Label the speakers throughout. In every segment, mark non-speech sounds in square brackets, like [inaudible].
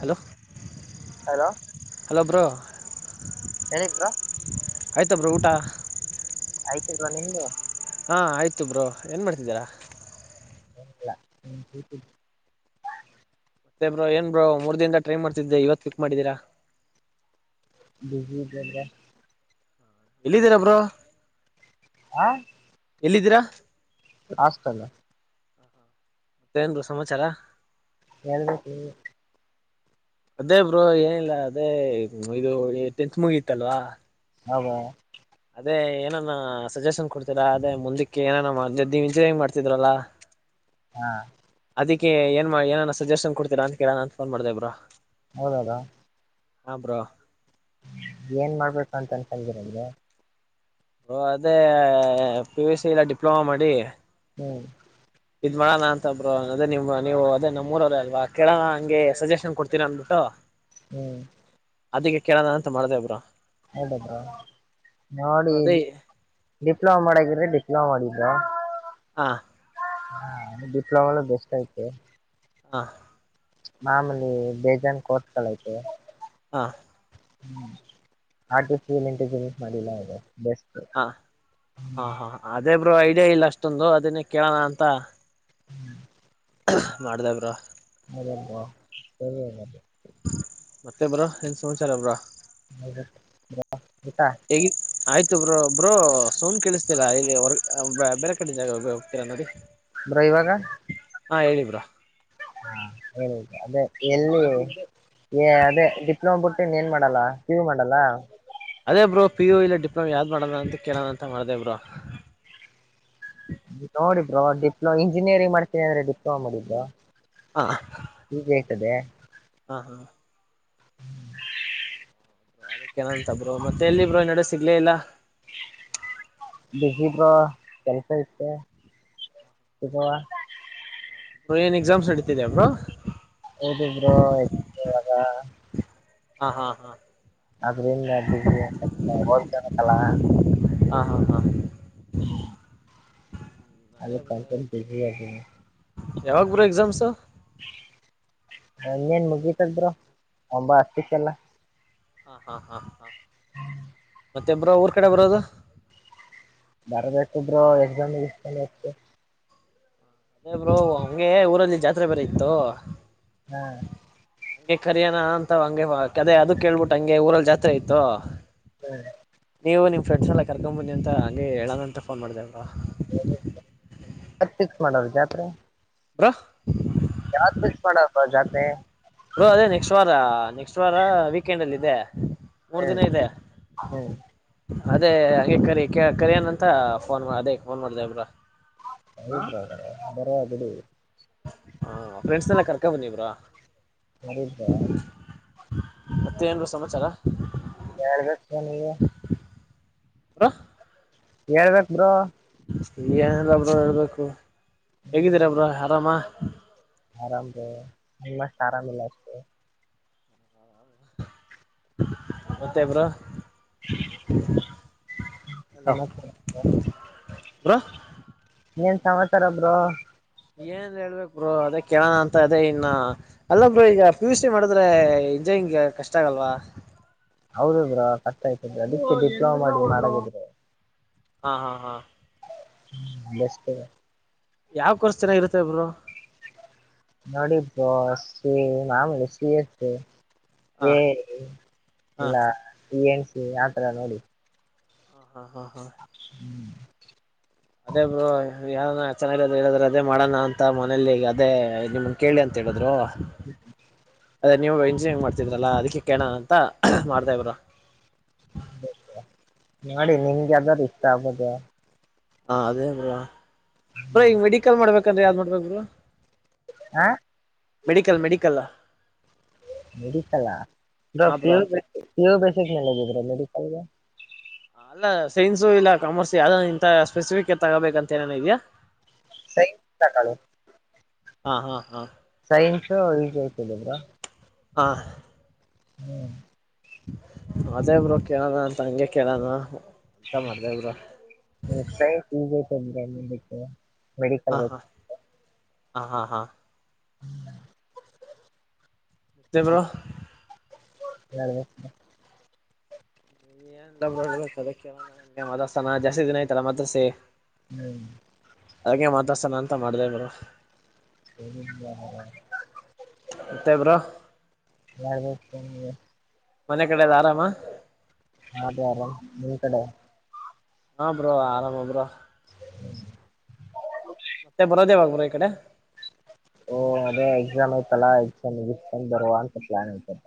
Speaker 1: Hello
Speaker 2: hello
Speaker 1: hello bro.
Speaker 2: ಹೇಳಿದ್ರ
Speaker 1: ಆಯ್ತಾ bro ಊಟ
Speaker 2: ಆಯ್ತಲ್ರ ನಿಮ್ದು.
Speaker 1: ಹಾಂ ಆಯಿತು ಬ್ರೋ ಏನು ಮಾಡ್ತಿದ್ದೀರಾ.
Speaker 2: ಹ ಹ್ಮ.
Speaker 1: ಮತ್ತೆ ಬ್ರೋ ಏನ್ ಬ್ರೋ ಮೂರ್ ದಿನದ ಟ್ರೈ ಮಾಡ್ತಿದ್ದೆ ಇವತ್ ಪಿಕ್ ಮಾಡಿದೀರಾ.
Speaker 2: ಬಿಸಿ ಇದಲ್.
Speaker 1: ಎಲ್ಲಿದ್ದೀರಬ್ರ.
Speaker 2: ಹಾ.
Speaker 1: ಎಲ್ಲಿದ್ದೀರಾ.
Speaker 2: ಆಷ್ಟತಲ್ಲ.
Speaker 1: ಮತ್ತೇನ್ ಸಮಾಚಾರ.
Speaker 2: ಹೇಳ್ಬೇಕು.
Speaker 1: ಅದೇ ಬ್ರೋ ಏನಿಲ್ಲ ಅದೇ ಇದು ಟೆಕ್ಸ್ಟ್ ಮುಗಿತ್ತಲ್ವಾ.
Speaker 2: ಹೌದ.
Speaker 1: ಅದೇ ಏನಾನ ಸಜೆಷನ್ ಕೊಡ್ತೀರಾ ಅದೇ ಮುಂದಕ್ಕೆ ಏನಾನ ನೀ ಇಂಜಿನಿಯರಿಂಗ್ ಮಾಡ್ತಿದ್ರಲ್ಲಾ.
Speaker 2: ಹಾ.
Speaker 1: ಅದಕ್ಕೆ ಏನ್ ಮಾಡ ಏನ ಸಜೆಷನ್ ಕೊಡ್ತೀರ ಅಂತೇಳೋಣ ಅ ಫೋನ್ ಮಾಡೆ ಇಬ್ರಾ.
Speaker 2: ಹೌದದಾ.
Speaker 1: ಹ ಬ್ರೋ.
Speaker 2: ಏನ್ ಮಾಡ್ಬೇಕು ಅಂತ ಅನ್ಸಂದಿರಗೆ
Speaker 1: ಓ ಅದೇ ಪಿ ಸಿ ಎಲ್ಲ ಡಿಪ್ಲೊಮಾ ಮಾಡಿ
Speaker 2: ಹಾ
Speaker 1: ಇದ್ ಮಾಡೋಣ ಅಂತ ಬ್ರರು ಅದೇ ನಿಮ್ ನೀವು ಅದೇ ನಮ್ಮ ಊರವರೇ ಅಲ್ವಾ ಕೇಳೋಣ ಹಂಗೆ ಸಜೆಷನ್ ಕೊಡ್ತೀರ ಅಂದಬಿಟ್ಟು
Speaker 2: ಹ್ಮ್
Speaker 1: ಅದಕ್ಕೆ ಕೇಳೋಣ ಅಂತ ಮಾಡ್ದ ಇಬ್ರು
Speaker 2: ಹೌದ ನೋಡಿ
Speaker 1: ಅದೇ
Speaker 2: ಡಿಪ್ಲೊಮ ಮಾಡಕಿದ್ರೆ ಡಿಪ್ಲೋಮ ಮಾಡಿದ ಯಾ
Speaker 1: ಹಾ
Speaker 2: ಹ ಡಿಪ್ಲೊಮಾ ನೇ ಬೇಸ್ಟ್ ಆಯತ
Speaker 1: ಹಾ
Speaker 2: ಮಾಮೂಲಿ ಬೇಜಾನ್ ಕೋರ್ಸ್ ಗಳಿವೆ
Speaker 1: ಹಾ
Speaker 2: ಹ್ಮ ಆಂಟಜಸ್ ಮಾಡಿಲ್ಲ ಅದು ಬೆಸ್ಟ್
Speaker 1: ಹ ಹಾ ಹಾ ಅದೇಬ್ರು ಐಡಿಯಾ ಇಲ್ಲ ಅಷ್ಟೊಂದು ಅದನ್ನೇ ಕೇಳೋಣ ಅಂತ ಮಾಡ್ದವರು
Speaker 2: ಬಬ ಸರಿ
Speaker 1: ಮತ್ತೆಬ ಬ್ರೋ ಏನ್ ಸಮಾಚಾರ ಬ್ರೋ ಹೇಗಿ
Speaker 2: [unintelligible]
Speaker 1: ಆಯ್ತು ಬ್ರೋ ಬ್ರೋ ಸೌಂಡ್ ಕೇಳಿಸ್ತಿಲ್ಲಾ ಇಲ್ಲಿ ಬೇರೆ ಕಡೆ ಜಾಗೋಗ ಹೋಗ್ತೀರಾ ನೋಡಿ.
Speaker 2: ಬ್ರೋ ಇವಾಗ
Speaker 1: ಹಾ ಹೇಳಿ ಬ್ರೋ
Speaker 2: ಹಾ ಹೇಳ ಅದೇ ಎಲ್ಲಿ ಏ ಅದೇ ಡಿಪ್ಲೊಮಾ ಬಿಟ್ಟು ಇನ್ ಏನ್ ಮಾಡಲ್ಲ ಪಿಯು ಮಾಡಲ್ಲ.
Speaker 1: ಅದೇ ಬ್ರೋ ಪಿ ಯು ಇಲ್ಲ ಡಿಪ್ಲೊಮ ಯಾವ್ದ್ ಮಾಡದ ಅಂತ ಕೇಳೋಣ ಅಂತ ಮಾಡ್ದೇ ಬ್ರೋ
Speaker 2: ನೋಡಿದ್ರು ಡಿಪ್ಲೊಮ ಇಂಜಿನಿಯರಿಂಗ್ ಮಾಡ್ತೀನಿ ಅಂದ್ರೆ ಡಿಪ್ಲೊಮಾ ಮಾಡಿದ್ರು
Speaker 1: ಹ
Speaker 2: ಇತದೆ
Speaker 1: ಹ ಹಾ ಅದಕ್ಕ ನಂತ ಬ್ರೋ ಮತ್ತೆ ಎಲ್ಲಿ ಬ್ರೋ ಎ ನಡೆ ಸಿಗ್ಲೇ ಇಲ್ಲ
Speaker 2: ಬಿಸಿದ್ರ ಕೆಲ್ಸ ಇತ್ತುಗ
Speaker 1: ಏನ್ ಎಕ್ಸಾಮ್ಸ್ ನೆಡಿತಿದ ಬ್ರೋ
Speaker 2: ಹೌದು ಬ್ರೋ ಎಷ್ಟ ಇವಾಗ
Speaker 1: ಹ ಹಾ ಹಾ
Speaker 2: ಬಿಸಿ ಓದ್ಕೋಬೇಕಲ್ಲ
Speaker 1: ಹಾ ಹಾ ಹಾ
Speaker 2: ಹ್ಮ ಅ ಕಲ್ಕ ಬಿಜಿ [unintelligible]
Speaker 1: ಯಾವಾಗ್ ಬ್ರೋ ಎಕ್ಸಾಮ್ಸ್
Speaker 2: ಅನ್ನೇನ್ ಮುಗಿತದ್ರು ಒಂಬ ಅಷ್ಟತಿಕ್ಕೆಲ್ಲ
Speaker 1: ಹಾ ಹಾ ಹಾ ಹಾ ಮತ್ತೆ ಬ್ರೋ ಊರ್ ಕಡೆ ಬರೋದು
Speaker 2: ಬರಬೇಕಾದರು ಎಕ್ಸಾಮ್ ಇಷ್ಟ ಆತತ್ತು
Speaker 1: ಅದೇ ಬ್ರೋ ಹಂಗೆ ಊರಲ್ಲಿ ಜಾತ್ರೆ ಬೇರೆ ಇತ್ತು
Speaker 2: ಹ್ಮ್
Speaker 1: ಹಂಗೆ ಕರಿಯಾಣ ಅಂತ ಹಂಗೆ ಕದೇ ಅದ ಕೇಳ್ಬಿಟ್ಟ ಹಂಗೆ ಊರಲ್ಲಿ ಜಾತ್ರೆ ಇತ್ತು ನೀವು ನಿಮ್ ಫ್ರೆಂಡ್ಸ್ ಎಲ್ಲ ಕರ್ಕೊಂಡ್ ಬನ್ನಿ ಅಂತ ಹಂಗಗೆ ಹೇಳಣ ಅಂತ ಫೋನ್ ಮಾಡಿದೆವಲ್ವಾ
Speaker 2: ಕ ಮಾಡ ಜಾತ್ರೆ
Speaker 1: ಬ್ರೋ
Speaker 2: [unintelligible] ಜಾತ್ರೆ
Speaker 1: ಬ್ರೋ ಅದೇ ನೆಕ್ಸ್ಟ್ ವಾರ ನೆಕ್ಸ್ಟ್ ವಾರ ವೀಕೆಂಡ್ ಅಲ್ಲಿ ಇದೆ ಮೂರ್ ದಿನ
Speaker 2: ಹ್ಮ್
Speaker 1: ಇದೆ
Speaker 2: ಹ್ಮ್
Speaker 1: ಅದೇ ಹಾಗೆ ಕರಿ ಕರಿಯಾನಂತ ಫೋನ್ ಅದೇ ಫೋನ್ ಮಾಡ್ದಬ್ರ
Speaker 2: ಹದ ಬರ ಆಗದು
Speaker 1: ಹಾ ಫ್ರೆಂಡ್ಸ್ನೆಲ್ಲ ಕರ್ಕ ಬನ್ನಿ ಬ್ರೋ
Speaker 2: ಅರಿ
Speaker 1: ಮತ್ತೆ ಏನ್ರು ಸಮಾಚಾರ
Speaker 2: ಶಾರ ಗಷ್ಟ ನೀ
Speaker 1: ಹ
Speaker 2: ಹೇಳ್ಬೇಕ ಬ್ರ
Speaker 1: ಏನಿಲ್ಲ ಒಬ್ರ ಹೇಳ್ಬೇಕು ಹೇಗಿದ್ದೀರ ಒಬ್ರ ಆರಾಮ
Speaker 2: ಆರಾಮ ರ ಮಸ್ ಆರಾಮ ಇಲ್ಲತು
Speaker 1: ಮತ್ತ ಇಬ್ರ
Speaker 2: ಅ
Speaker 1: ರ
Speaker 2: ಏನ್ ಸಮಾಚಾರ ಬ್ರೋ
Speaker 1: ಏನ್ ಹೇಳ್ಬೇಕಕ್ ಬ್ರರು ಅದೇ ಕೇಳೋಣ ಅಂತ ಅದೇ ಇನ್ನ ಅಲ್ಲ ಬರು ಈಗ ಪಿ ಯು ಸಿ ಮಾಡಿದ್ರೆ ಅಜಯ್ ಹಿಂಗೆ ಕಷ್ಟ ಆಗಲ್ವಾ
Speaker 2: ಹೌದಬ್ರಾ ಕಷ್ಟ ಆಯ್ತದ್ರೀ ಅದಕ್ಕೆ ಡಿಪ್ಲೊಮಾ ಮಾಡಿ ಮಾರಾಗಿದ್ರೆ
Speaker 1: ಹಾ ಹಾ ಹಾ
Speaker 2: ಹ್ಮ ಬಷ್ಟತು
Speaker 1: ಯಾವಕೋರ್ಸ್ ಜನ ಇರುತ್ತೇಬ್ರು
Speaker 2: ನೋಡಿಬ ಸಿ ಮಾಮೂಲಿ ಸಿ ಎತ್ತು
Speaker 1: ಹಾ
Speaker 2: ಏ
Speaker 1: ಹಾ
Speaker 2: ಇಲ್ಲ ಈ ಎನ್ಸ ಆತರ ನೋಡಿ
Speaker 1: ಹ ಹಾ ಹಾ ಹಾ
Speaker 2: ಹ್ಮ್
Speaker 1: ಅದೇ ಬ್ರೋ ಯಾರ ಚೆನ್ನಾಗಿ ಹೇಳದ್ರೆ ಅದೇ ಮಾಡೋಣ ಅಂತ ಮನೇಲಿ ಅದೇ ನಿಮ ಕೇಳಿ ಅಂತ ಹೇಳಿದ್ರ ನೀವು ಇಂಜಿನಿಯಂಗ್ ಮಾಡ್ತಿದ್ರಲ್ಲ ಅದಕ್ಕೆ ಕೇಣ ಅಂತ ಮಾಡ್ತಾಬ್ರ
Speaker 2: [unintelligible] ನೋಿ ನಿಮ್ಗೆ ಅದಾರೂ ಇಷ್ಟ ಆಗ್ಬದ
Speaker 1: ಹಾ ಅದೇ ಬ್ರಾ ಬ್ರ ಈಗ ಮೆಡಿಕಲ್ ಮಾಡ್ಬೇಕಂದ್ರೆ ಯಾವ್ದ್ ಮಾಡ್ಬೇಕ್ ಬ್ರೋ
Speaker 2: ಹಾ
Speaker 1: [inaudible] medical medical
Speaker 2: medical bro P ಪ್ಯೋ ಬಸಿಕ್ ಮೇಲೆಗಿದ್ರೆ ಮೆಡಿಕಲ್ಗೆ
Speaker 1: ಅಲ್ಲ ಸೈನ್ಸು ಇಲ್ಲ ಕಾಮರ್ಸ ಯ ಇಂತ ಸ್ಪೆಸಿಫಿಕ್ ತಗೋಬೇಕಂತ ಏನನ ಇದ್ಯಾಾ
Speaker 2: ಸೈನ್ಸ್ ತಕಳಿ
Speaker 1: ಹಾ ಹಾ ಹಾ
Speaker 2: ಸೈನ್ಸು ಈಜಿ ಆಯ್ತದ ಬ್ರೋ
Speaker 1: ಆ
Speaker 2: ಹ್ಮ್
Speaker 1: ಅದೇಬ್ರು ಕೇಳೋಣ ಅಂತ ಹಂಗೆ ಕೇಳದು
Speaker 2: [inaudible] ಸೈನ್ಸ್ ಈಜಿ [unintelligible] ಮೆಡಿಕಲ್
Speaker 1: ಹ ಹಾ ಹಾ ಮತ್ತೆ ಬ್ರೋ
Speaker 2: ಹೇಳ್ಬೇಕ್ ಬ್ರೋ
Speaker 1: ಏನಿಲ್ಲ ಬ್ರೋ ಹೇಳ್ಬೇಕ್ ಅದೇ ಕೇಳಣ ಅಂದೆ ಮದಸ್ಾನ ಜಾತಿ ದಿನ ಆಐತಲ್ಲ ಮತ್ರಸೇ
Speaker 2: ಹ್ಮ್
Speaker 1: ಅಗೆ ಮಾತಸನ ಅಂತ ಮಾಡ್ದೇವರು
Speaker 2: [unintelligible]
Speaker 1: ಮತ್ತೆ ಬ್ರೋ
Speaker 2: [unintelligible]
Speaker 1: ಮನೆ ಕಡೆಲ್ಲ ಆರಾಮ
Speaker 2: ಅದೇ ಆರಾಮ ನಿಮ್ ಕಡೆ
Speaker 1: ಹಾ ಬ್ರೋ ಆರಾಮ ಬ್ರೋ
Speaker 2: [unintelligible]
Speaker 1: ಮತ್ತೆ ಬರೋದೇ ಯಾವಾಗ ಈ ಕಡೆ
Speaker 2: ಓ ಅದೇ ಎಕ್ಸಾಮ್ ಆಯ್ತಲ್ಲಾ ಎಕ್ಸಾಮ್ಟ್ಕೊಂಡ ಬರುವ ಅಂತ ಪ್ಲಾನ್ ಐಯ್ತಪ್ಪ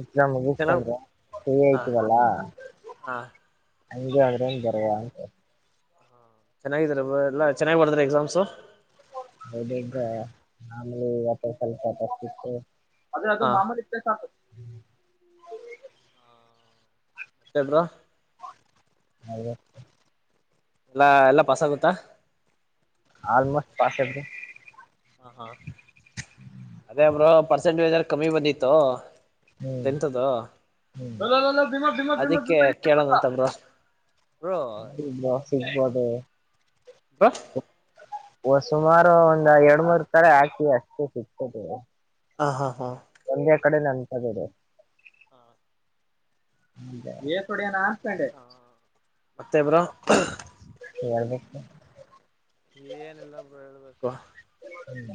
Speaker 2: ಎಕ್ಸಾಮ್
Speaker 1: ಚೆನ್ನಾಗ್
Speaker 2: ಮುಗಿಸಿಕೊಂಡು ಫ್ರೀ
Speaker 1: ಹಾ
Speaker 2: ಆಯಿತಿವಲ್ಲ
Speaker 1: ಹಾ
Speaker 2: ಹಂಗೆ ಆದ್ರನ್ ಬರುವ ಅಂತ
Speaker 1: ಚೆನ್ನಾಗಿದಾರ ಎಲ್ಲಾ ಚೆನ್ನ್ ಬಾರದ್ರ ಎಕ್ಸಾಮ್ಸು
Speaker 2: ಹೌದು ಈಗ ನಮಲಿವತ್ತ ಸ್ವಲ್ಪ ಟಫ್ ಇತ್ತು ಅದೇ ಅದು
Speaker 1: ಹಾ
Speaker 2: ಮಾಮೂಲಿ ಇದ್ರೆ ಸಾಕು
Speaker 1: ಮತ್ತೆ ಬ್ರೋ
Speaker 2: ಹೇಳ್ಬೇಕ್ ಬ್ರೋ
Speaker 1: ಎಲ್ಲಾ ಎಲ್ಲ ಪಾಸ್ ಆಗುತ್ತಾ
Speaker 2: ಆಲ್ಮೋಸ್ಟ್ ಪಾಸ್ ಬ್ರೋ
Speaker 1: ಹ ಹಾ ಅದೇ ಬ್ರೋ ಪರ್ಸೆಂಟೇಜಲ್ ಕಮ್ಮಿ ಬಂದಿತ್ತು
Speaker 2: ಹ್ಮ್
Speaker 1: ಟೆಂತ್ದ್
Speaker 2: ಹ್ಮ್ ಲೋ, ಲೋ, ಲೋ, ಲೋ, ಭೀಮ ಭೀಮ
Speaker 1: ಅದಿಕ್ಕೆ ಕೇಳನಂತ ಬ್ರೋ ಬ್ರೋ
Speaker 2: ಸಿಗಬಹುದು
Speaker 1: ಬ್ರೋ
Speaker 2: ಒ ಸುಮಾರು ಒಂದ ಎರಡ್ ಮೂರ್ ತಡೆ ಹಾಕಿವ್ ಅಷ್ಟೇ ಸಿಗ್ತತೆ
Speaker 1: ಹ ಹಾ ಹಾ
Speaker 2: ಒಂದೆ ಕಡೆ
Speaker 1: ಹ
Speaker 2: ಅನ್ಕೊಂಡೆ
Speaker 1: ಹ ಮತ್ತೆ ಬ್ರೋ
Speaker 2: [unintelligible]
Speaker 1: ಏನಿಲ್ಲಬ್ರೋ ಹೇಳ್ಬೇಕು
Speaker 2: ಹೂ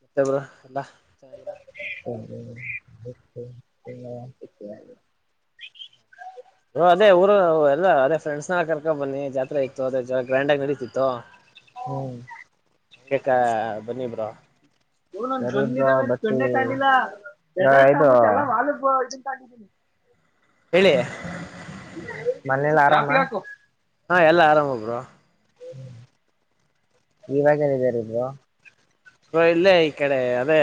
Speaker 1: ಮತ್ತೆಬ್ರೋ ಎಲ್ಲ ಚನ್ನಾಗಿದಿರ
Speaker 2: ಹ
Speaker 1: ಹ ಅದೇ ಊರು ಎಲ್ಲ ಅದೇ ಫ್ರೆಂಡ್ಸ್ ನ ಕರ್ಕೊಂಡ ಬನ್ನಿ ಜಾತ್ರೆ ಇತ್ತು ಅದೇ ಗ್ರ್ಯಾಂಡ್ ಆಗಿ ನಡೀತಿತ್ತು
Speaker 2: ಹ್ಮ್
Speaker 1: ಹಂಗೆ ಬನ್ನಿ ಬ್ರೋ
Speaker 2: ಹ ಚೆ ಕಾಯಿಲ್ಲ ಹಾಲುಂತ ಆಗಿದ್ದೀನಿ
Speaker 1: ಹೇಳಿ
Speaker 2: ಮನೇಲಿ ಆರಾಮ
Speaker 1: ಹಾ ಎಲ್ಲಾ ಆರಾಮಬ್ರೋ
Speaker 2: ಹೂ ಎಲ್ಲಿದಿರ ಬ್ರೋ
Speaker 1: ಹ ಇಲ್ಲೇ ಈ ಕಡೆ ಅದೇ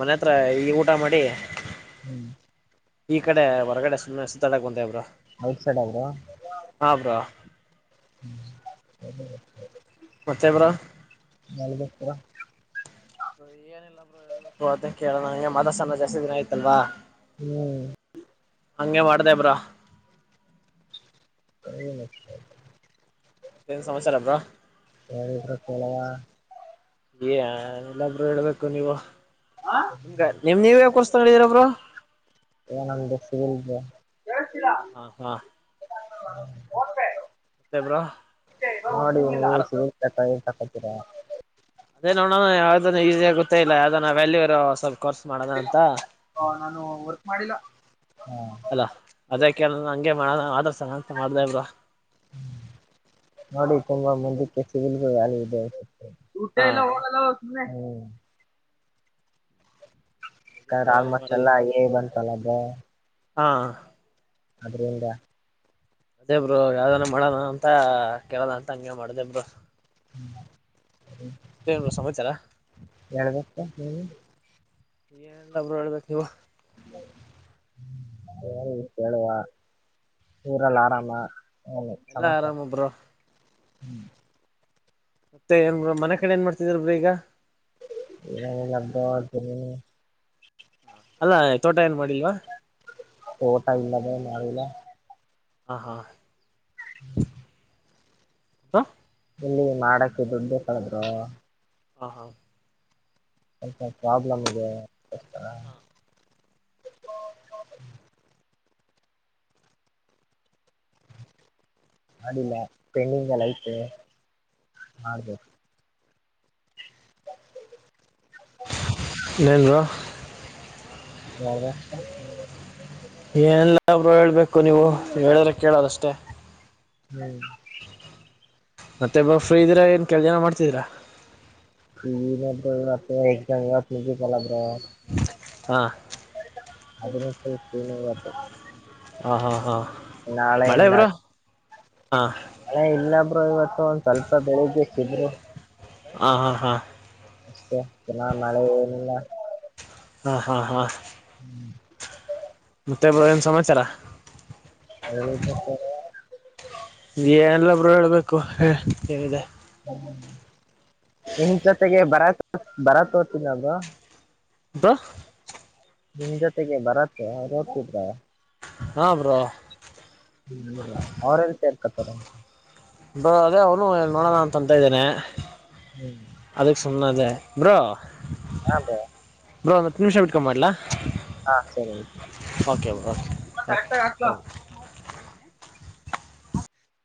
Speaker 1: ಮನೆ ಹತ್ರ ಈ ಊಟ ಮಾಡಿ
Speaker 2: ಹೂ
Speaker 1: ಈ ಕಡೆ ಹೊರಗಡೆ ಸ ಸುತ್ತಾಡಕ್ ಬಂದೆ ಬ್ರೋ
Speaker 2: ರೈಟ್ ಸೈಡ್ ಬ್ರೋ
Speaker 1: ಹಾ ಬ್ರೋ ಮತ್ತೆ ಬ್ರೋ
Speaker 2: ನಲ್ಬತ್ತರ
Speaker 1: ಅ ಕೇಳೋಣ ಮಠಡಿಸೋಣ ಜಾಸ್ತಿ ದಿನ ಆಯ್ತಲ್ವಾ
Speaker 2: ಹೂ
Speaker 1: ಹಂಗೆ ಮಾಡ್ದ ಬ್ರೋ
Speaker 2: ಸನು
Speaker 1: ಮತ್ತೇನ್ ಸಮಾಚಾರ ಬ್ರೋ
Speaker 2: ಯಾರಿದ್ರ ಕೊಳವಾ
Speaker 1: ಯ ಎಲ್ಲಬ್ರು ಹೇಳ್ಬೇಕು ನೀವು
Speaker 2: ಹಾ
Speaker 1: ನಿಮ್ಗ ನಿಮ್ ನೀವ ಯಾಕೋಸ್ ಳರ ಬ್ರೋ
Speaker 2: ನಂದಂದ ಸಿಗಿದೆ
Speaker 1: ಆಾ ಹಾ ಹಾ ಮತ್ತೆ ಬ್ರೋ
Speaker 2: ನೋಡಿ
Speaker 1: ಯಾರ್
Speaker 2: ಕಪತಿರ
Speaker 1: ಅದೇ ನೋಡೋಣ ಯಾವದ ಈ ಗೊಾ ಇಲ್ಲ ಯಾವದ ವ್ಯಾಲ್ಯೂ ಇ ಸ್ವಲ್ಪ ಕೋರ್ಸ್ ಮಾಡೋಣ ಅಂತ
Speaker 2: ನಾನು ವರ್ಕ್ ಮಾಡಿಲ್ಲ
Speaker 1: ಅಲ್ಲ ಅದಕ್ಕೆ ಹಂಗೆ ಮಾಡ ಆದ
Speaker 2: ನೋಡಿ ತುಂಬಾ ಮಂದಕ್ಕೆ ಊ ಎ
Speaker 1: ಹಾ
Speaker 2: ಕ್ರ ಆಲ್ಮೋಸ್ಟ್ ಎಲ್ಲ
Speaker 1: ಮಾಡೋದು
Speaker 2: ಅಲ್ಲೇ ಬಂತಲ್ಲ ಅಬ
Speaker 1: ಹಾ
Speaker 2: ಅ್ರ ಎಂದ
Speaker 1: ಅದೇಬ್ರು ಯಾವ್ದನ ಮಾಡೋಣ ಅಂತ ಕೇಳಲ್ಲ ಅಂತ ಹಂಗಗೆ ಮಾಡ್ದೇಬ್ರರು
Speaker 2: ಹ
Speaker 1: ಬ್ರೋ ಸಮಾಚಾರ
Speaker 2: ಎಳ್ಬೇಕ ನೀ
Speaker 1: ಏಲ್ಲಬ್ರು ನೋಡ್ಬೇಕ ಇವ
Speaker 2: ಅ ಹೇಳೇಳುವ ಊರಲ್ಲಿ ಆರಾಮ
Speaker 1: ಎಲ್ಲಾ ಆರಾಮಬ್ರ
Speaker 2: ಹ್ಮ್
Speaker 1: ಮತ್ತೆ ಏನ್ ಮನೆ ಕಡೆ ಏನ್ ಮಾಡ್ತಿದ್ರ ಬಿ ಈಗ
Speaker 2: ನಂತ್ದನ
Speaker 1: ಅಲ್ಲಾ ತೋಟ ಏನ್ ಮಾಡಿಲ್ವಾ
Speaker 2: ತೋಟ ಇಲ್ಲದೆ ನಾವಿಲ್ಲ
Speaker 1: ಹ ಹಾ
Speaker 2: ಹ್ಮ್
Speaker 1: ಅದ
Speaker 2: ಇಲ್ಲಿ ಮಾಡಕ್ಕೆ ದುಡ್ ಬೇಕಳದ್ರು
Speaker 1: ಹ ಹಾ
Speaker 2: ಸ್ಲ್ಪ ಪ್ರಾಬ್ಲಮ್ ಇದೆರ್ತರ
Speaker 1: ಹ
Speaker 2: ಮಾಡಿಲ್ಲ ಪೆಂಡಿಂಗ್ ಹೈಥೆ ಹಾಗೌದ
Speaker 1: ಎನ್ ಬ್ರೋ
Speaker 2: ಹ
Speaker 1: ಏನಲ್ಲ ಬ್ರೋ ಹೇಳ್ಬೇಕು ನೀವು ಹೇಳಿದ್ರೆ ಕೇಳಾರಷ್ಟೇ
Speaker 2: ಹ್ಮ್
Speaker 1: ಮತ್ತೆ ಇಬ್ಬ ಫ್ರೀ ಇದೀರ ಏನು ಕೆಲ ಜನ ಮಾಡ್ತಿದೀರಾ
Speaker 2: ಹೆ ನಿ ಕಲ್ರ
Speaker 1: ಹಾ
Speaker 2: ಅದಿನ
Speaker 1: ಆಾ ಹಾ ಹಾ
Speaker 2: ನಾಳೆ
Speaker 1: ಮಳೆ
Speaker 2: ಎಂದ
Speaker 1: ಬ್ರೋ ಹಾ
Speaker 2: ಹ ಇಲ್ಲೊಬ್ರು ಇವತ್ತು ಒಂದ್ ಸ್ವಲ್ಪ ಬೆಳಿಗ್ಷ್ಟಿದ್ರು
Speaker 1: ಆ ಹಾ ಹಾ
Speaker 2: ಅಷ್ಟೇ ಜನ ಮಳೆ ಏನಿಲ್ಲ
Speaker 1: ಹಾ ಹಾ ಹಾ
Speaker 2: ಹ್ಮ್
Speaker 1: ಮತ್ತೆ ಬರನ್ ಸಮಯ ಚಲ್ಲಾಗ
Speaker 2: ಎ
Speaker 1: ನೀ ಏನೆಲ್ಲೊಬ್ರು ಹೇಳ್ಬೇಕು ಹೇಳಿದೆ
Speaker 2: ನಿನ್ ಜೊತೆಗೆ ಬರ ಬರ ತೋತನದು
Speaker 1: ಬಾ
Speaker 2: ನಿಮ ಜೊತೆಗೆ ಬರತ್ತೆ ಅವ್ ನೋಡ್ತಿದ್ರ
Speaker 1: ಹಾ ಬ್ರೋ
Speaker 2: ಹ್ಮ ಇಲ್ಲ ಅವ್ರ ರತ ಇರ್ಕತಾರೆ
Speaker 1: ಬ ಅದೇ ಅವನು ಏನು ಮಾಡೋಡೋಣ ನು ತಂತ ಇದ್ದಾನೆ
Speaker 2: ಹ್ಮ್
Speaker 1: ಅದಕ್ಕೆ ಸುಮ್ಮನೆ ಅದೇ ಬ್ರೋ
Speaker 2: ಹಾಬ
Speaker 1: ಬ್ರೋ ಒಂದು ಹತ್ತು ನಿಮಿಷ ಬಿಟ್ಕೊಂಡ್ ಮಾಡ್ಲಾ
Speaker 2: ಹ ಸ
Speaker 1: ಓಕೆ ಬ್ರೋ ಓಕೆ
Speaker 2: ಕಕ್ಲ